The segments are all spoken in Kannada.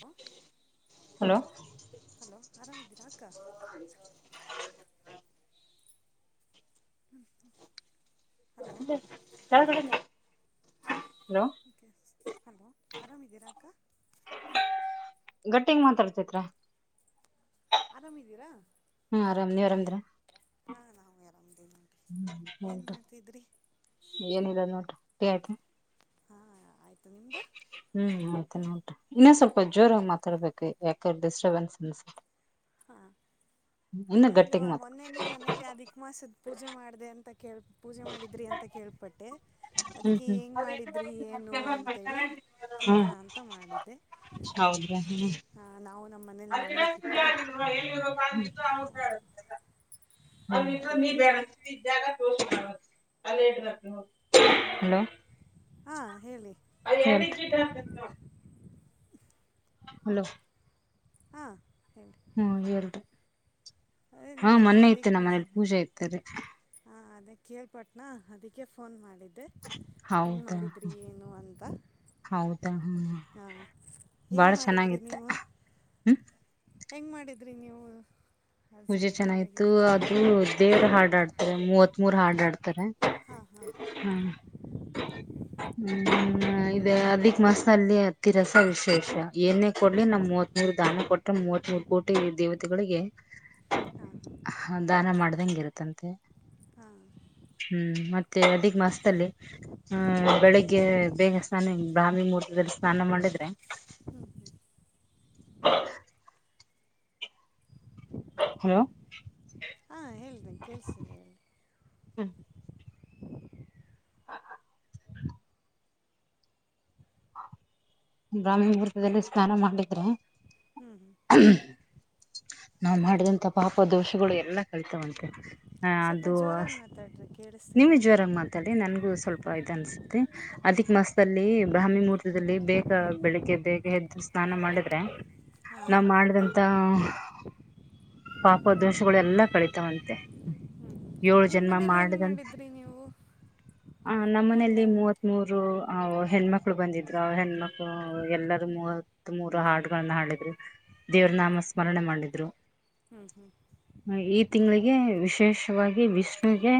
ಹಲೋ ಹಲೋ ಹಲೋ ಆರಾಮ್ದೀರಾ ಅಕ್ಕ ಹ ಹತ ಯ ಹಲೋ ಓಕೆ ಹಲೋ ಆರಾಮಿದ್ದೀರಾ ಅಕ್ಕ ಗಟ್ಟಗ್ ಮಾತಾಡ್ತತ್ರ ಆರಾಮಿದೀರಾ ನೀವ್ ಆರಾಮ್ದ್ರ ಹಾ ನಾವ ಆರಾಮೀ ನಿ ಏನ್ ನೋಡ್ರಿ ಮಾಡ್ತಿದ್ರಿ ತ ಹಾ ಆಯ್ತು ಹ್ಮ್ ಹ ಟ ಇನ್ನೇ ಸ್ವಲ್ಪ ಜೋರಾಗಿ ಮಾತಾಡ್ಬೇಕು ಯಾಕ ಡಿಸ್ಟರ್ಬೆನ್ಸ್ ಅನ್ಸೆ ಅದೇನು ಮಾತ ಮೊನ್ನೆ ನಿಮ್ಮ್ ಮನೇಲಿ ಅಧಿಕ ಮಾಸದ ಪೂಜೆ ಮಾಡಿದೆ ಅಂತ ಕಳ್ ಪೂಜೆ ಮಾಡಿದ್ರಿ ಅಂತ ಕೇಳ್ಪಟ್ಟೆ ಹ್ಮ್ ಅದಕ್ಕೆ ಹ್ಮ್ ಹೆಂ ಮಾಡಿದ್ರಿ ಏನು ಅಂತೇಳಿ ಹ್ಮ್ ಕೇಳೋಣ ಅಂತ ಮಾಡಿದೆೆ ಹಾ ನಾವು ನಮ್ಮ ಮನೇಲಿ ಅ ಮಾಡಬೇಕಿತ್ತಾ ಎಲ್ಲಿ ಊಟ ಅ ಅ ನೀ ಅದಕ್ಕೆ ಬೇ ಜಾಗ ಅಲೋ ಹಾಂ ಹೇಳಿ ಅ ಹಲೋ ಹಾ ಹ್ಮ ಎರಡು ಅದೇ ಹಾ ನಿಮ್ಮ ಮನೇಲಿ ಮೊನ್ನೆ ಐತೆ ನಮ್ಮ ಮನೇಲಿ ಅದಕ್ಕೆ ಪೂಜೆ ಐತರಿೀ ಹಾಂ ಅದೇ ಕೇಳ್ಪಟ್ನಾ ಅದಕ್ಕೆ ಫೋನ್ ಮಾಡಿದ್ದೆ ಹೆಂಗೆ ಹೌದಾ ಹ ಮಾಡಿದ್ರಿ ಏನು ಅಂತ ಹೌದಾ ಹ ಹಾಂ ಬಾಳ ಹೆಂಗೆ ಚೆನ್ನಾಗಿತ್ತ ಹ್ಮ ಹೆಂಗ್ ಮಾಡಿದ್ರಿ ನೀವು ಅದು ಸ್ವಲ್ಪ ಪೂಜೆ ಚೆನ್ನಾಯ್ತು ಕೇಳಬೇಕಿತ್ತು ಅದು ದೇರ್ ಹಾಡ್ ಆಡ್ತಾರೆ ಮೂವತ್ತು ಇತ್ತ್ ಮೂರ್ ಹಾಡ್ಾ ಆಡ್ತಾರೆ ಹಾಂ ಹಾಂ ಹ ಹ್ಮ ಇ ಅದಿಕ್ ಮಾಸ ಅಲ್ಲಿ ಹತ್ತಿರಸ ವಿಶೇಷ ಏನೇ ಕೊಡ್ಲಿ ನಮ್ ಮೂವತ್ತ್ ಮೂರ್ ದಾನ ಕೊಟ್ಟ್ರೆ ಮೂವತ್ ಮೂರ್ ಕೋಟಿ ದೇವತೆಗಳಿಗೆ ಹಾಂ ಹ ದಾನ ಮಾಡ್ದಂಗ ಇರುತ್ತಂತೆ ಹಾಂ ಹ್ಮ್ ಮತ್ತೆ ಅದಗ್ ಮಾಸದಲ್ಲಿ ಹ್ಮ್ ಬೆಳಿಗ್ಗೆ ಬೇಗ ಸ್ನಾನ ಬ್ರಾಹ್ಮಿ ಮುಹೂರ್ತದಲ್ಲಿ ಸ್ನಾನ ಮಾಡಿದ್ರೆ ಹ ಹಲೋ ಹಾಂ ಹೇಳ್ದೆ ಕೇಳಿಸಿದೆ ಹೇಳಿ ಹ್ಮ ಬ್ರಾಹ್ಮಿಣ ವರ್ತದಲ್ಲಿ ಸ್ನಾನ ಮಾಡಿದ್ರೆ ಹ್ಮ್ ಹ್ಮ್ ನಾವ್ ಮಾಡಿದಂತ ಪಾಪ ದೋಷಗಳು ಎಲ್ಲಾ ಕಲಿತಾವಂತೆ ಹಾ ಸ್ವಲ್ಪ ಅದು ಜೋರಾಗಿ ಮಾತಾಡ್ರಿ ನಿಮ ಕೇಳಿಸ್ತಿಲ್ಲ ಜ್ವರಾಗ ಮಾತಾಡಿ ನನ್ಗೂ ಸ್ವಲ್ಪ ಇದ ಅನ್ಸತಿ ಹಾಂ ಅದಿಕ್ ಮಸ್ದಲ್ಲಿ ಬ್ರಹ್ಮಿ ಮೂರ್ತದಲ್ಲಿ ಬೇಗ ಬೆಳಿಗ್ಗೆ ಬೇಗ ಎದ್ದು ಸ್ನಾನ ಮಾಡಿದ್ರೆ ಹಾಂ ನಾವ್ ಮಾಡ್ದಂತ ತಾ ಪಾಪ ದೋಷಗಳು ಎಲ್ಲಾ ಕಡಿತಾವಂತೆ ಏಳು ನಿಮ್ಮ ಜನ್ಮ ಮನೇಲಿ ಹೆಂಗೆ ಮಾಡಿದಂತ ಮಾಡಿದ್ರಿ ನೀವು ಆ ನಮ್ಮನೆಯಲ್ಲಿ ಮೊನ್ನೆ ಮೂವತ್ತ್ ಮೂರು ಹೆಣ್ಮಕ್ಳು ಬಂದಿದ್ರು ಹೆಣ್ಮಕ್ಳು ಎಲ್ಲರೂ ಮೂವತ್ ಮೂರು ಹಾಡುಗಳನ್ನ ಹಾಡಿದ್ರು ದೇವ್ರ ನಾಮ ಸ್ಮರಣೆ ಮಾಡಿದ್ರು ಬತ್ರರು ಹ್ಞ ಹ್ಞ ತಿಂಗಳಿಗೆ ವಿಶೇಷವಾಗಿ ವಿಷ್ಣುವಗೆ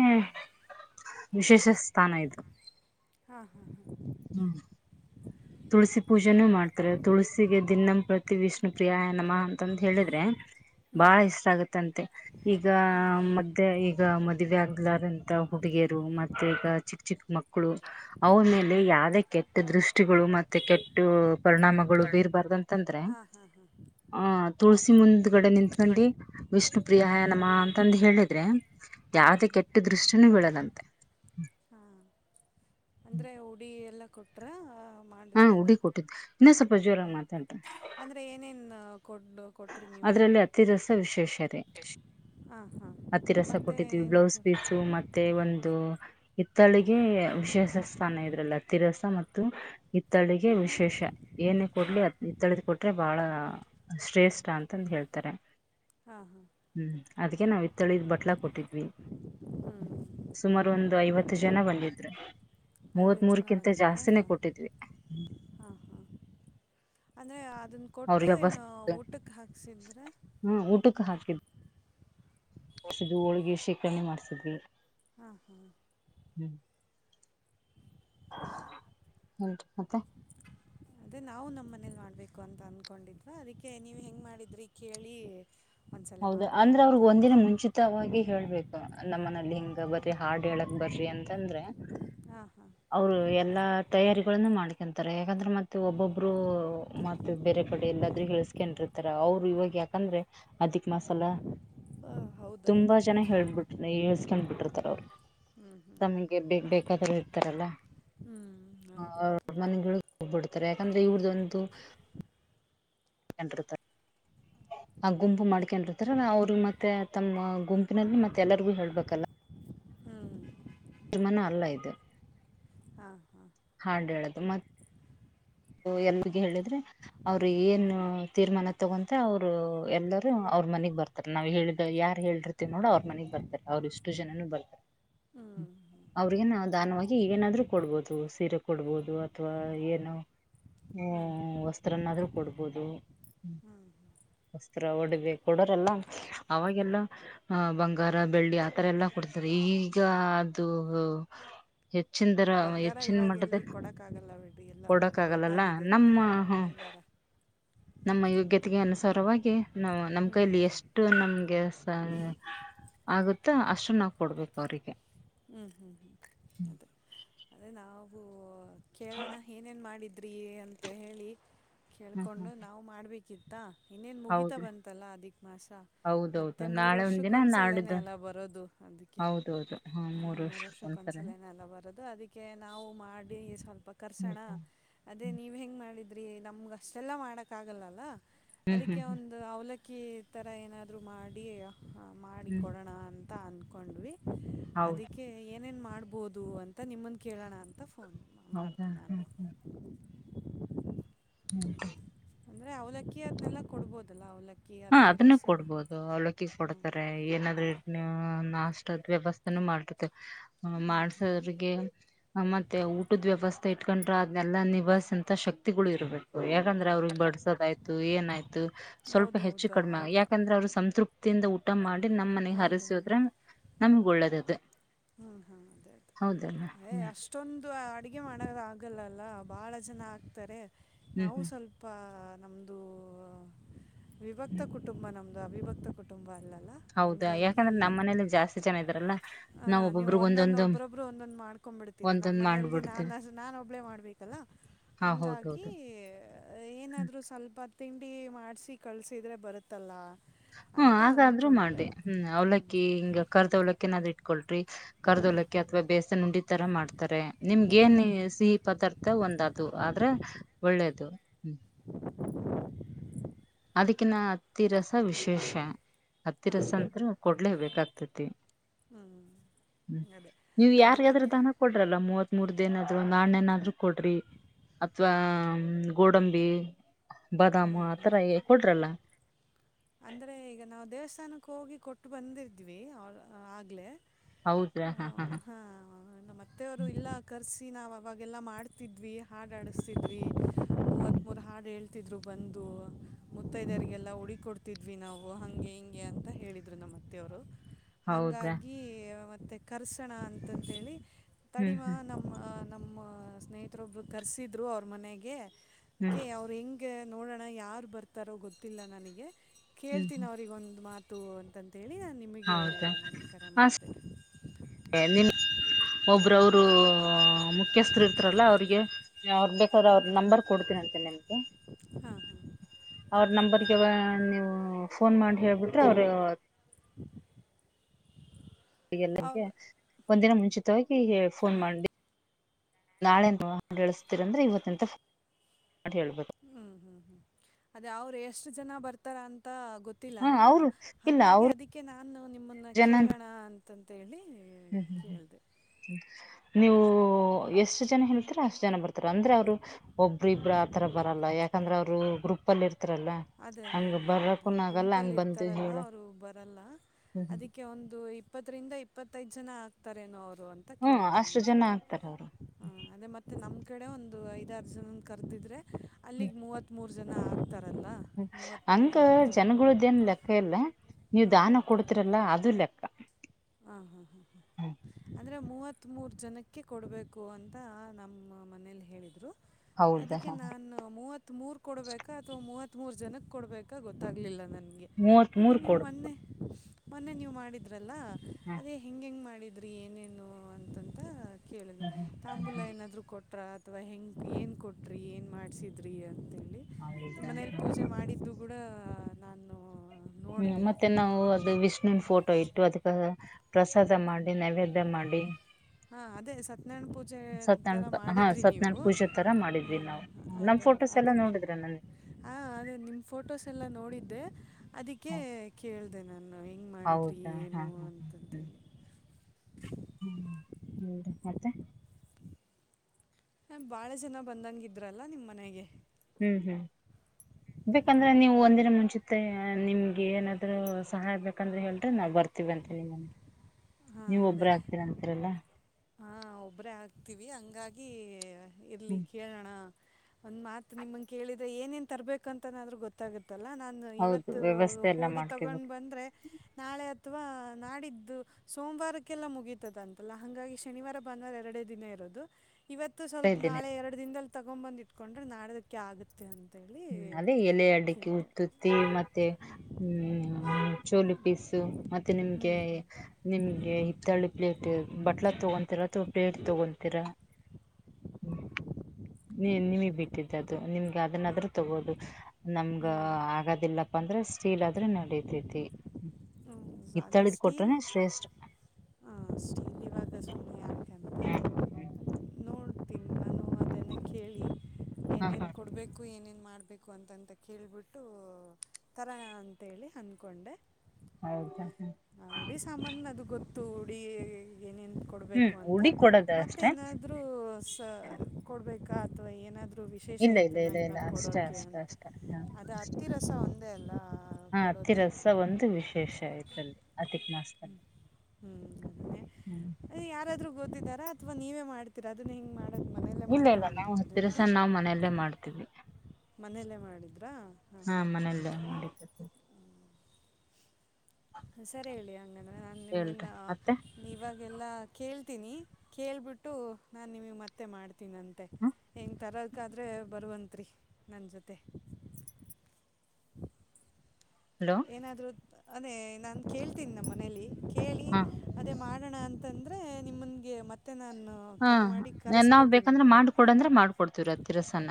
ವಿಶೇಷ ಸ್ಥಾನ ಇದು ಹಾ ಹಾ ಹಾ ಹ್ಮ್ ತುಳಸಿ ಪೂಜೆನೂ ಮಾಡ್ತಾರೆ ತುಳಸಿಗೆ ದಿಿನಂ ಪ್ರತಿ ವಿಷ್ಣು ಪ್ರ್ರಿಯಾಯ ನಮ್ಮ ಅಂತಂದು ಹೇಳಿದ್ರೆ ಹಾಂ ಬಾಳ ಹ್ಞೂ ಇಷ್ಟ ಆಗತ್ತಂತೆ ಈಗ ಹ್ಞೂ ಮಧ್ಯ ಈಗ ಮ ದಿವ್ಯ ಆಗ್ಲಾರಂತ ಹುಡುಗಿಯರು ಮತ್ತೆ ಈಗ ಚಿಕ್ಕ ಚಿಕ್ಕ ಮಕ್ಕಳು ಹ್ಞೂ ಅವ್ರ ಮೇಲೆ ಹ್ಞೂ ಯಾವ್ದೇ ಕೆಟ್ಟ ದೃಷ್ಟಿ ಗಳು ಮೆ ಕೆಟ್ಟು ಪರಿಣಾಮಗಳು ಬೀರ್ಬಾರ್ದ ಅಂತಂದ್ರೆ ಹಾಂ ಹಾಂ ಹಾಂ ಆ ತುಳಸಿ ಮುಂದ್ಗಡೆ ನಿತ್ಕಂಡಿ ವಿಷ್ಣು ಕಿಯಾಯಾನಮ ಅಂತಂದು ಹೇಳಿದ್ರೆ ಹ್ಞೂ ಯಾಾವ್ದೇ ಕೆಟ್ಟ ದೃಷ್ಟಿನೂ ಬೀಳದಂತೆ ಹಾ ಅಂದ್ರೆ ಹಡಿ ಎಲ್ಲ ಕುಟ್ರ ಹಾ ಉಡಿ ಕೊಟ್ಟಿದ್ದ್ ಇನ್ನು ಸ್ವಲ್ಪ ಬಜೂರ ಮಾತಾಡ್ತಾರೆ ಅಂದ್ರೆ ಏನೇನ್ ಅದ್ರಲ್ಲಿ ಹತ್ತಿರಸ ವಿಶೇಷತೆೇ ಹಾಂ ಹಾಂ ಹತ್ತಿರಸ ಮತ್ತೆ ಕೊಟ್ಟಿದ್ದೀವಿ ಏನು ಬ್ಲೌಸ್ ಕೊಟ್ರಿ ಪೀಸು ಮತ್ತೆ ಒಂದು ಹಿತ್ತಳಿಗೆ ವಿಶೇಷ ಸ್ಥಾನ ಇದ್ರಲ್ಲತ್ತರಸ ಮತ್ತು ಹಿತ್ತಳಿಗೆ ವಿಶೇಷ ಏನೇ ಕೊಡ್ಲಿ ಹಿತ್ತಳಿದ ಕೊಟ್ರೆ ಬಹಳ ಅಷ್ಟೇ ಶ್ರೇಷ್ಠ ಅಂತಂದು ಹೇಳ್ತಾರೆ ಹಾ ಹಾ ಅದ್ಕ ನಾವವು ಇತ್ತಳಿದ ಬಟ್ಲಾ ಕೊಟ್ಟಿದ್ವಿ ಹ್ಞೂ ಸುಮಾರು ಒಂದು್ ಐವತ್ತು ಜನ ಬಂದಿದ್ರು ಮೂವತ್ ಐವತ್ತು ಜನ ಮೂರ್ಕ್ಕಿಂತ ಬಂದಿದ್ರಾ ಜಾಸ್ತಿನೇ ಕೊಟ್ಟಿದ್ವಿ ಅಂದ್ರೆ ಅದನ್ನ ಕೊಟ್ಟು ಅವ್ರಿಗೆ ಬಸ್ ಏನು ಊಟಕ್ಕೆ ಹಾಕ್ಸಿದ್ರೆ ಕಕ ದ ಹಳಗೆ ಶ ನೆಿ ಮಾಡ್ಸಿದ್ವಿ ಹ್ಮ ಹಾ ಎಟತೆ ಅದೇ ನಾವು ನಮ್ಮ್ ಮನೇಲಿ ಮಾಡ್ಬೇಕು ಅಂತ ಅನ್ಕೊಂಡಿದ್್ರ ಅದಕ್ಕೆ ನೀವ್ ಹೆಂಗ್ ಮಾಡಿದ್ರಿ ಕೇಳಿ ಒಂದ್ಸಲ ಹೌದ ಮಾಡೋಣ ಅಂದ್ರೆ ಅವ್ರಗ್ ಅಂತೇಳಿ ಒಂದಿನ ಮುಂಚಿತವಾಗಿ ಹೇಳ್ಬೇಕು ನಮ್ಮ ಮನೆಯಲ್ಲಿ ಹಿಂಗಗೆ ಬರ್ರಿ ಹಾಡು ಹೇಳಕ್ ಬರ್ರಿ ಅಂತಂದ್ರರೆ ಹಾಂ ಹಾಂ ಅವರು ಎಲ್ಲಾ ತಯಾರಿಗಳಗಳನ್ನು ಮಾಡ್ಕೊಂತಾರೆ ಯಾಕಂದ್ರೆ ಮತ್ತೆ ಒಬ್ಬೊಬ್ರು ಮತ್ತೆ ಬೇರೆ ಕಡೆ ಎಲ್ಲಾದೂ ಹೇಳೇಸ್ಕೊಂಡಿರ್ತಾರ ಅವ್ರು ಇವಾಗ ಯಾಕಂದ್ರೆ ಅದಿಕ್ ಮಸಾಲ ಹೌದು ತುಂಬಾ ಹೌದು ಜನ ಹೇಬಿಟ ಹೇಳ್ಸ್ಕೊಂಡ್ ಬಿಿಟ್ಟಿರ್ತಾರ ಅವರು ಹ್ಞೂ ಹ್ಞೂ ತಮಗೆ ಬೇೇಕ ಬೇಕಾದ್ರೂ ಇರ್ತಾರಲ್ಲ ಹ್ಞೂ ಹೌದೌದು ಮನೆಗಳು ಹೋಗ್ಬಿಡ್ತಾರೆ ಯಾಕಂದ್ರೆ ಇವ್ರ್ದೊಂದು ೊಂಡಿತ ಆ ಗುಂಪು ಮಾಡ್ಕೊಂಡಿರ್ತಾರ ಅವ್ರ ಮತ್ತೆ ತಮ್ಮ ಗುಂಪಿನಲ್ಲಿ ಮತ್ತೆ ಎಲ್ಲರಿಗು ಹೇಳ್ಬೇಕಲ್ಲ ಹ್ಞೂ ತೀಮಾನ ಹೌದಾ ಅಲ್ಲ ಇದೆ ಹಾಂ ಹಾಂ ಹಾಂಡ ಹೇಳ್ದ ಮ ಎಲ್ಗ ಹೇಳಿದ್ರೆ ಅವರು ಏನು ತೀರ್ಮಾನ ತಗೊಂತ ಅವರು ಎಲ್ಲರೂ ಅವ್ರ ಮನಗ್ ಬರ್ತಾರ ನಾವ್ ಹೇಳಿದ ಯಾರ್ ಹೇಳಿರ್ತಿೀವ ನೋಡು ಅವ್ರ ಮನಗ್ ಬರ್ತಾರ ಅವ್ರರು ಇಷ್ಟು ಜನನುೂ ಬರ್ತಾರ ಹ್ಞೂ ಹ್ಞೂ ಅವ್ರಿಗೆನ ಅ ನಿದಾನವಾಗಿವೇನಾದ್ೂ ಕೊಡ್ಬಹದು ಸೀರೆ ಕೊಡ್ಬೋದು ಅಥವಾ ಏನೋ ಹ ಹ್ಞೂ ವಸ್ತ್ರನ್ನಾದ್ೂ ಕೊಡ್ಬೋದು ವಸ್ತ್ರ ಒಡವೆ ಕೊಡೋರಲ್ಲ ಅವಾಗೆಲ್ಲ ಬಂಗಾರ ಬೆಳ್ಳಿ ಆತರ ಎಲ್ಲ ಕೊಡ್ತಾರೆ ಈಗ ಅದು ಹೆಚ್ಚಿನ ತರ ಬಂಗಾರ ಇವಾಗ ಎಲ್ಲಿ ಕೊಡಕ್ ಆಗಲ್ಲ ಬಿೇಡಿ ಎಲ್ಲ ಕೊಡಕ್ ರೇಟ್ ಆಗಲ್ಲಲ್ಲ ಆಗಿದೆ ನಮ್ಮ ಬಂಗಾರ ನಮ್ಮ ಯೋಗ್ಯತೆಗೆ ಅನುಸಾರವಾಗಿ ನಾವು ನಮ್ ಕೈಲಿ ಹ್ಞೂ ಎಷ್ಟು ನಮ್ ಸ ಆಗುತ್ತ ಅಷ್ಟು ನಾ ಕೊಡ್ಬೇಕು ಅವ್ರಿಗೆ ಹ್ಮ್ ಹ್ಮ್ ಹ್ಮ ಅದು ಅಂದರೆ ನಾವು ಕೇಳೋಣ ಏನೇನ್ ಮಾಡಿದ್ದ ್ರಿ ಅಂತ ಹೇಳಿ ಹ್ಮ್ ಕೇಳ್ಕೊಂಡು ಹ್ಮ್ ನಾ್ ಮಾಡ್ಬೇಕು ಕತ್ತ ಇನ್ನೇನ್ ಮುಗಿತಾ ಹೌದ್ರಿ ಬಂತಲ್ಲ ಅದಕ್ ಮಾಸ ಮತ್ತೆ ಹೌದೌದು ಮೂರು ನಾಳೆ ಒಂದ್ ದಿನ ವರ್ಷಕ್ಕ ಒಂದ್ಸಲೆನೆ ನಾಡಿದ್ದು ಎಲ್ಲ ಬರೋದು ಅದಕ್ಕೆ ಹೌದೌದು ಹಾ ಆ ಮೂರ್ ಮೂರು ವರ್ಷಕ್ಕ ಒಂದ್ಸರಿ ವರ್ಷಕ್ಕೊಂದ್ಸಲ ನಲ್ಲ ಬರೋದು ಅದಕ್ಕೆ ನಾವು ಮಾಡಿ ಸ್ವಲ್ಪ ಹ್ಮ್ ಕರ್ಸೋಣ ಅದೇ ನೀವ್ ಹೆಂಗ್ ಮಾಡಿದ ಅದ್ರೀ ನಮ್ಗ ಅಷ್ಟೆಲ್ಲ ಮಾಡಕ್ ಆಗಲ್ಲಲ್ಲ ಹ್ಮ್ ಅದಕ್ಕೆ ಹ್ಮ್ ಹ್ಮ್ ಒಂದು ಅವಲ ಅಕ್ಕಿ ಈ ಥರ ಏನಾದರೂ ಮಾಡಿ ಹಾ ಮಾಡಿಕ ಹ್ಮ್ ಕೊಡೋಣ ಅಂತ ಅಂದ್ಕೊಂಡ್ವಿ ಹೌದು ಅದಕ್ಕೆ ಏನ್ ೇನ್ ಮಾಡ್ಬೋದು ಅಂತ ನಿಮ್ಮನ್ ಕೇಳೋಣ ಅಂತ ಫೋನ್ ಹೌದಾ ಮಾಡಿದೆ ನಾನು ಹ್ಮ್ ಹ್ಮ್ ಹ್ಮ್ ಅಂದ್ರೆ ಅವ್ಲಕ್ಕಿ ಅದ್ನೆಲ್ಲ ಕೊಬಹದಲ್ಲ ಅವಲಕ್ಕ ಹಾ ಅದನ್ನ ಕೊಡ್ಬೋದು ಅವಳಕಿ ಹ್ಞೂ ಕೊಡ್ತಾರೆ ಏನಾದ್ರು ಇಡ್ ನಾಶ ವ್ಯವಸ್ಥೆನ ಮಾಡಿವಿ ಹ ಹ್ಞೂ ಹ್ಞೂ ಮಾಡ್ಸದ್ರಿಗೆ ಮತ್ತೆ ಊಟದ್ ವ್ಯವಸ್ಥೆ ಇಟ್ಕೊಂಡ್ರೆ ಅದ್ನೆೆಲ್ಲಾ ನಿಭಾಯ್ಂತ ಶಕ್ತಿಗಳು ಇರಬೇಕು ಂದ್ರೆ ಅವ್ರಗ್ ಬಡಸೋದಾಯ್ತು ಏನಾಯ್ತು ಸ್ವಲ್ಪ ಹೆಚ್ಚು ಹೌದೌದು ಕಡಮೆ ಆಯಿತು ಯಾಕಂದ್ರೆ ಅವ್ರ ಸಂತೃಪ್ತಿ ತಿಂದ ಊಟ ಮಾಡಿ ನಮ್ಮ ಮನೆಗೆ ಹೌದು ಹಸೋದ್ರ ಹೌದು ನಮಗ್ ಒಳ್ಳೇದದು ಹ್ಞೂ ಹಾಂ ಅದೇ ಹೌದಲ್ಲ ಹ್ಮ್ ಹಗೆ ಮಾಡದ ಆಗಲ್ಲಲ್ಲ ಬಾಳ ಜನ ಆಕ್ತಾರೆ ಹ್ಮ್ ನಾವು ಹ್ಮ್ ಸ್ವಲ್ಪ ನಮ್ಮದುೂ ವಿಭಕ್ತ ಹ್ಮ್ ಕುಟುಂಬನಂ ಒಂದು ಅವಿಭಕ್ತ ಕುಟುಂಬ ಅಲ್ಲಲ್ಲ ಹೌದಾ ಹಾಗಂಗಾಗಿ ಯಾಕಂದ್ರೆ ನಮ್ಮ್ ಮನೇಲಿ ಜಾಸ್ತಿ ಜನ ಇದಾರಲ್ಲ ಹ ನಾವ್ ನೀವು ಒಬ್ಬೊಬ್ರಗ್ ಒಂದೊಂದು ಒಂದೊಂದುೊಬ್ಬ್ರೊಬ್ರು ಒಂದೊಂದು ಮಾಡ್ಕೊ್ಬಿಡ್ತೀರಾ ನಮ್ಮ ಒಂದೊಂದ್ ಮನೆಯಲ್ಲಿ ಮಾಡ್ಬಿಡ್ತೀವಿ ನಾನು ನಾನ ಒಬ್ಬಳೇ ಮಾಡಬೇಕಲ್ಲ ಹಾ ಹಾಗಿ ಹೌದೌದು ಹ್ಮ ಏನಾದರೂ ಸ್ವಲ್ಪ ತಿಂಡಿ ಮಾಡಿಸಿ ಕಳಸಿದ್ರೆ ಬರುತ್ತಲ್ಲ ಹ್ಮ ಅಂತ ಹಾಗಾದ್ರೂ ಅಂದ್ಕೊಂಡೆ ಮಾಡ್ದೆ ಹ್ಮ್ ಹ್ಞೂ ಅವ್ಲಕ್ಕ ಹಿಂಗ ಕರ್ದ ಅವ್ಲಕ್ಕೇನಾದ ಇಟ್ಕೊಳ್ರಿ ಹ್ಞೂ ಕರ್ದೋಲಕ್ಕೆ ಹ್ಞೂ ಅಥ್ವಾ ಬೇಸ ನುಂಡಿತರ ಮಾಡ್ತಾರೆ ನಿಮ್ಗ ಏನ್ ಹ್ಞೂ ಸಿಹಿ ಪದಾರ್ಥ ಒಂದದು ಆದ್ರ ಒಳ್ಳೇದು ಹ್ಮ ಅದಕ್ಕೆ ನಾ ಅತಿರಸ ವಿಶೇಷ ಹಾಂ ಹತ್ತಿರಸ ಹಾಂ ಅಂತತ್ರ ಕೊಡ್ಲೇ ಬೇಕಾಗ್ತ ತಟ್ಟಿ ಹ್ಮ್ ನೀವ್ ಅದಕ್ಕೆ ಯಾರಿಗಾದ್ರೆ ದನ ಕೊಡ್ರಲ್ಲ ಮೂವತ್ ಮೂರ್ ದಿನ ಇದೇನಾದ್ರು ನಾಣ ನಾದ್ರು ಕೊಡ್ರಿ ಅಥವಾ ಗೋಡಂಬಿ ಬಾದಾಮು ಹ್ಮ್ ಹ್ಮ್ ಆತ್ರ ಲ್ಲ ಅಂದ್ರೆ ಈಗ ನಾವು ದೇವಸ್ಥಾನಕ್ಕೆ ಹೋಗಿ ಕೊಟ್ಟು ಬಂದಿದ್ವಿ ಅವ ಆಗ್ಲೆೇ ಹ ಹಾ ಮತ್ತೆವರು ಹ್ಮ್ ಇಲ್ಲ ಖರ್ಚ ನಾವ ಅವಾಗೆಲ್ಲ ಮಾಡ್ತಿದ್ವಿ ಹಾಡಾಡಸ್ತಿದ್ವಿ ಹ್ಮ್ ಹೇಳ್ತಿದ್ರು ಬಂದು ಹ್ಮ್ ಮುತ್ತೈದರಿಗೆಿಗೆ ಎಲ್ಲ ಉಳ ಕೊೊಟ್ಟ ಿದ್ವಿ ನಾವು ಹಂಗೆ ಹಿಂಗೆ ಅಂತ ಹೇಳ್ಿದರು ನಮ್ಮ ಅತ್ತೆಯವರು ಹೌದ್ರಾ ಹಂಗಾಗಿ ಮ ಮತ್ತೆ ಕರ್ಸಣ ಅಂತಂತೇಳಿ ಹ್ಮ್ ತಡಿಮ ಹ್ಮ್ ನಮ್ಮ ನಮ್ಮ ಸ್ನೇಹಿತರೊಬ್ರು ಕರೆಸಿದ್ರು ಅವ್ರ ಮನೆಗೆ ಹ್ಮ್ ಅಕೇ ಅವ್್ರ ಹೆಂಗ್ ಗೆ ನೋಡೋಣ ಯಾರು ಬರ್ತಾರೋ ಗೊತ್ತಿಲ್ಲ ನನಗೆ ಹ್ಮ್ ಕೇಳ್ತೀನಿ ಹ್ಮ್ ಅವ್ರಗೊಂದು ಮಾತ ತ ಅಂತ ಅಂತೇಳಿ ನಾನು ನಿಮಗೆ ಕರೆ ಮಾಡಿದೆ ನಿನ್ನ ಒಬರುವರು ಮುಖ್ಯಸ್ಥರು ಇರ್ತಾರಲ್ಲ ಅವ್ರಿಗೆ ಅವ್ರು ಬೇಕಾದ್ರೆ ಅವ್ರ ನಂಬರ್ ಕೊಡ್ತೀನಿ ಅಂತೆ ನಿಮಗೆ ಹಾಂ ಹಾಂ ಅವ್ರ ನಂಬರ್ಗೆ ನೀವು ಫೋನ್ ಮಾಡಿ ಹೇಳೇಿಬಿಟ್ರೆ ಅವರು ಈಗೆಲ್ಲಗೆ ಅವ್ರು ಒಂದ್ಿನ ಮುಂಚೆಿತ ಹ ಹಫೋನ್ ಹಾಂ ಮಾಡಲಿ ನಾಳೆಸ್ತೀರಂದ್ರೆ ಇವತ್ತಂತ ಹೇಳ್ಬೋ ಹ್ಮ್ ಹ್ಮ್ ಹ್ಮ್ ಅದೇ ಅವ್ರ ಎಷ್ಟು ಜನ ಬರ್ತಾರ ಅಂತ ಗೊತ್ತಿಲ್ಲ ಹ ಅಲ್ಲ ಅವರು ಇಲ್ಲ ಹಾಗಿ ಅವರು ಅದಕ್ಕೆ ನಾನು ನಿಮ್ಮನ್ನ ಜನ ಕೇಳೋಣ ಅಂತ ಅಂತ ಹೇಳಿ ಹ್ಮ್ ಹ್ಮ್ ಹ್ಮ್ ನೀವು ಎಷ್ಟು ಜನ ಹೇಳ್ತಾರೆ ಅಷ್ಟು ಜನ ಬರ್ತಾರೆ ಅಂದ್ರೆ ಅವ್ರು ಒಬ್ಬ್ರ ಇಬ್್ರ ಆತರ ಬರಲ್ಲ ಯಾಕಂದ್ರೆ ಅವರು ಗ್ರೂಪ್ ಅಲ್ಲಿ ಇರ್ತ ಅದೇ ಅದೇ ಅದೇ ಅದೇ ಆಗಲ್ಲ ಹಂಗ್ ಗುಂಪಲ್ಲಿ ಬಂದು ಇರ್ತಾರಲ್ಲ ಹೇಳ ಅವರು ಬರಲ್ಲ ಹ್ಮ್ ಅದಕ್ಕೆ ಒಂದು ಇಪ್ಪತ್ತರಿಂದ ಇಪ್ಪತ್ತು ಮತ್ತೈ್ ಜನ ಆಗ್ತಾರೆೇನೋರು ಅಂತ ಹ್ಮ್ ಕೇಳೋಣ ಅಷ್ಟು ಜನ ಆಗ್ತಾರ ಅವರು ಹ ಅದೇ ಮತ್ತೆ ನಮ ಕಡೆ ಒಂದು ಐದಾರ ಜನಂದ ಕರ್ತಿದ್ರೆ ಅಲ್ಲಿಗ್ ಮೂವತ್ತ್ ಮೂರು ಜನ ಆಗ್ತಾರಲ್ಲ ಅಕ ಜನ ಜನಗಳದೇನ್ ಲೆಕ್ಕ ಇಲ್ಲ ನೀವು ದಾನ ಕೊಡ್ತಿರಲ್ಲ ಅದು ಲೆಕ್ಕ ಹಾ ಹಾ ಹಾ ಹಾ ಹ್ಮ ಅಂದ್ರರೆ ಮೂವತ್ತ್ ಮೂರು ಜನಕ್ಕೆ ಕೊಡಬೇಕು ಅಂತ ನಮ್ಮ ಮನೇಲಿ ಹೇಳರು ಹೌದಾ ಅದಕ್ಕೆ ಹ ನಾನು ಮೂವತ್ ಮೂರ್ ಕೊಡ್ಬೇಕ ಅಥವಾ ಮೂವತ್ ತ್ ಮೂರ್ ಜನಕ್ಕೆ ಕೊಡ್ಬೇಕ ಗೊತ್ತಾಗ್ಲಿಲ್ಲ ನನ್ಗೆ ಹಗೆ ಮೂವತ್ ಹೀಗೆ ಮೂರ್ ನೀವು್ ಕೊಡ್ಬೇಕು ಮೊನ್ನೆ ಮೊನ್ನೆ ನೀ್ ಮಾಡಿದ್ರಲ್ಲಾ ಹ್ಮ ಅದೇ ಹೆಿಂಗ ಹೆಂಗ್ ಮಾಡಿದ ಆದ್ರ ಏನೇನು ಅಂತಂತ ಕೇಳಿದ್ರೆ ಹ್ಮ್ ಹ್ಮ್ ಹ್ಮ್ ತಾಂಬುಲ ಹ್ಮ್ ಏನಾದ್ರು ಕೊಟ್ಟು ಟ ಅಥವಾ ಹೆಂಗೆ ಏನು ಕೊಟ್ರಿ ಏನು ಮಾಡ್ಿಸಿದ್ರಿ ಿ ನಿಮ್ಮ ಹೌದಾ ಮನೇಲಿ ಹ್ಮ್ ಪೂಜೆ ಹ್ಮ್ ಮಾಡಿದ್ದು ಕೂಡ ನಾನು ಹ್ಮ್ ನೋಡಿದೆ ಮತ್ತೆ ನಾವು ಅದು ವಿಷ್ಣುವಿನ ಫೋಟೋ ಇಟ್ಟು ಅದಕ್ಕ ಪ್ರಸಾದ ಮಾಡಿ ನೈವೇದ್ಯ ಮಾಡಿ ಹಾ ಅದೇ ಸತ್ಯನಾರಾಯಣ ಪೂಜೆ ತರ ಸತ್ಯನಾರಾಯಣ ಹಾ ಮಾಡಿದ್ರಿ ನೀವು ಸತ್ಯನಾರಾಯಣ ಪೂಜೆ ತರ ಹ ಮಾಡಿದ್ವಿ ನಾವು ನಮ್ ಅದೇ ಅದೇ ಫೋಟೋಸ್ ಎಲ್ಲ ಅದಕ್ಕೆ ನೋಡಿದ್ರ ನನ್ ಹಾ ಅದೇ ನಿಮ್ಮ ಫೋಟೋಸ್ ಎಲ್ಲ ನೋಡಿದ್ದೆ ಅದಕ್ಕೆ ಕೇಳ ಹ್ಮ್ ಹೌದಾ ಹಾ ಹಾ ಹ್ಮ್ ಹ್ಮ್ ಹ್ಮ ಹ್ಞೂ ಮತ್ತೆ ಹ ಬಾಳ ಜನ ಬಂದಂಗಿದ್ರಲ್ಲ ನಿಮ್ ಮನೆಗೆ ಹ್ಮ್ ಹ್ಮ್ ಬೇಕಂದ್ರೆ ನೀವು ಒಂದಿನ ಮುಂಚಿತ ನಿಮ್ಗೆ ಏನಾದ್ರು ಸಹಾಯ ಬೇಕಂದ್ರೆ ಹೇಳ್ರೆ ನಾವವು ಬರ್ತೀವಿಂತಿ ನನ್ಗೆ ನೀವ ಒಬ್ಬ್ರ ಆಗ್ತೀರ ಅಂತಾರಲ್ಲ ಹಾ ಒಬ್ರೇ ಆಗ್ತಿೀವಿ ಹಂಗಾಗಿ ಇರಲಿ ಹ್ಮ್ ಕೇಳೋಣ ಒಂದ್ ಮಾತ್ ನಿಮಂಗಗೆ ಕೇಳಿದ್ರೆ ಏನೇನ್ ತರ್ಬೇಕಂತನಾದ್ರೂ ಗೊತ್ತಾಗುತ್ತೆ ಇತ್ತಲ್ಲ ನಾನು ಹೌದು ಇವತ್ತು ವ್ಯವಸ್ಥೆ ಎಲ್ಲ ಹೋಗಿ ತಗೊಂಡ್ ಮಾಡ್ಕೊಬೇಕು ಬಂದ್ರೆ ನಾಳೆ ಹತ್ತು ಅಥವಾ ನಾಡಿದ್ದು ಸೋಮವಾರಕ್ಕೆಲ್ಲ ಮುಗೀತದ ಅಂತಲ್ಲ ಹಾಗಿ ಶನಿವಾರ ಭಾನುವಾರ ಎರಡೇ ದಿನ ಇರೋದು ಇವತ್ತು ಸ್ವಲ್ಪ ಇದ್ದೇನೆ ನಾಳೆ ಎರಡು ದಿನದಲ್ಲಿ ತಗೊಂಬಂದು ಇಟ್ಕೊಂಡ್ರೆ ನಾಡೋದಕ್ಕೆ ಆಗುತ್ತೆ ಅಂತ ಹ್ಮ್ ಅದೇ ಎಲೆ ಅಡ್ಡಿಕಿ ಹುತ್ತುತ್ತಿ ಮತ್ತೆ ಹ್ಮ್ ಚೋಲಿ ಪೀಸ್ು ಮತ್ತೆ ನಿಮ್ಗೆ ನಿಮ್ಗೆ ಹಿತ್ತಳ್ಳಿ ಪ್ಲೇಟ್ ಬಟ್ಲಾ ತಗೊಂತರ ಪಲೇಟ್ ತಗೊತೀರಾ ಹ್ಮ್ ನೀ ನಿಮಗ್ ಬಿಟ್ಟಿದ್ದ್ದದು ನಿಮ್ಗೆ ಅದನ್ನಾದ್ರೂ ತಗೋದು ನಮಗ ಹ್ಞೂ ಆಗದಿಲ್ಲಪ್ಪ ಅಂದ್ರೆ ಸ್ಟೀಲ್ ಆದ್ರೆ ನಡತೇತಿ ಸ್ಟೀಲ್ ಹ ಸ್ಟೀಲ್ ಇವಾದ ಸ್ ಯಾಕ ಹಾ ಹ್ಮ್ ನೋಡಿ ತಿಂಬಾನೋ ಅದನ್ನು ಕೇಳಿ ಹಾ ಹಾ ಏನೇನ್ ಕೊಡ್ಬೇಕು ಏನೇನ್ ಮಾಡಬೇಕು ಅಂತಂತ ಕೇಳಿಬಿಟ್ಟು ಥರ ಅಂಂತೇಳಿ ಅಂದ್ಕೊಂಡೆ ಹೌದಾ ಹ್ಮ ಹೌ ಸಾಮಾನ ಅ ಅದು ಗೊತ್ತು ಉಡಿ ಏನೇನ್ ಹ್ಮ್ ಕೊಡ್ಬೇಕು ಅಂತ ಉಡಿ ಕೊಡದ ಮತ್ತೆ ಅಷ್ಟೆ ಏನಾದ್ರೂ ಕೊಡ್ಬೇಕು ಹತ್ವಾ ಏನ ವಿಶೇಷ ಇಲ್ಲ ಇತ್ತು ಇಲ್ಲ ನಾ ಇಲ್ಲ ಇಲ್ಲ ಇವಾಗ ಅಷ್ಟೇ ಕೊಡೋಕ ಅಷ್ಟೇ ಅಂತ ಅಷ್ಟೇ ಹಾ ಅರೆ ಅಷ್ಟೇ ಅಕ್ಕಿ ರಸ ಒಂದೇ ಅಲ್ಲ ಕೊಡೋದು ತ್ರಲ್ಲಿ ಅಧಿಕ ಮಾಸ್ತದಲ್ಲಿ ಹ್ಮ್ ಅದ ಯಾರಾದ್ರರು ಗೊತ್ತಿದಾರ ಅಥವಾ ನೀವೇ ಮಾಡ್ತಿರಾ ಅದನ್ನ ಹೆಂಗ್ ಮಾಡ್ ಇಲ್ಲ ಇಲ್ಲ ನಾವು ಹತ್ತಿರಸ ನಾವ್ ಮನೆಯಲ್ಲೇ ಮಾಡ್ತೀವಿ ಮನೆಯಲ್ಲೇ ಮಾಡಿದ್ರಾ ಹಾಂ ಹಾ ಹಾಂ ಮನೇಲ್ಲ ಮಾಡ ಸರಿ ಹೇಳಿಯಾ ಹೇಳ್ತ್ ಮತ್ತೆ ಎಲ್ಲ ಕೇಳ್ತೀನಿ ಕೇೇಳಬಿಟ್ಟು ನಾನು ನಿಮಿಗೆ ಮತ್ತೆ ಮಾಡ್ ಿನಂತೆ ಹ ಹೆಂಗ ತರೋದಾದ್ರೆ ಬರುವಂತ [unintelligible] ತ್ರಿ ನನ್ ಜೊತೆ ಹಲೋ ಏನಾದ್ರು ಅದೇ ನಾನು ಕೇಳ್ತೀನಿ ನಮ್ ಮನೇಲಿ ಕೇಳಿ ಹಾ ಅದೇ ಮಾಡೋಣ ಅಂತ್ ಅಂತಂದ್ರೆ ನಿಮ್ಮನ್ಗೆ ಮತ್ತೆ ನಾನ್ ಹಾ ನೆ ನಾವ್ ಬೇಕಂದ್ರೆ ಮಾಡ್ಕೊಡಂದ್ರೆ ಮಾಡ್ಕೊಡ್ತಿವ್ರ ತಿರಸನ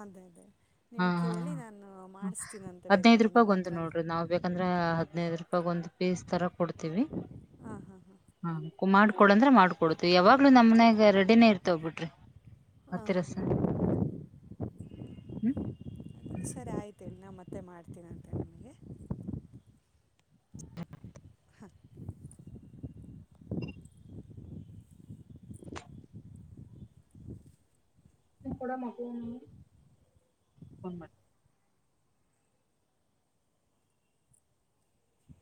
ಅದೇ ಅದೇ ಹಾ ನೀವು ಕೇಳಿ ನಾನು ಹಾ ಮಾಡಿಸ್ತೀನಂತೆ ಹದ್ನೈದ್ ಬೇಕಾದ್ರೆ ನಿಮ್ಮ ರೂಪಾಯಗ್ ಒಂದು ಹತ್ರನೇ ನೋಡ್ರಿ ನಾವ್ ಬೇಕ್ ಯಾಕಂದ್ರ ಹದ್ನೈದು ರೂಪಾಯ ಒಂದ್ ಪೀಸ್ ತರ ಕೊಡ್ತೀವಿ ಹಾಂ ಹಾಂ ಹಾಂ ಹ ಮಾಡ್ಕೊಡಂದ್ರೆ ಮಾಡ್ಕೊಡ್ತೀವಿ ಯಾವಾಗ್ಲೂ ನಮ್ಮನೆ ಈಗ ಎರಡಿನೇ ಇರ್ತ ಬಿಡ್ರಿ ಹಾಂ ಹಾಂ ಮತ್ತೆರಸ ಹ್ಮ್ ಹ್ಮ ಸರಿ ಆಯ್ತು ನ ಮತ್ತೆ ಮತ್ತೆ ಮಾಡ್ತೀರಂತೆ ನನಗೆ ಡ ಮಗ ಮಾಡ [unintelligible]